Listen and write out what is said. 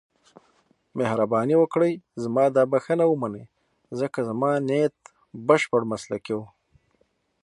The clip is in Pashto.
مهرباني وکړئ زما دا بښنه ومنئ، ځکه زما نیت بشپړ مسلکي و.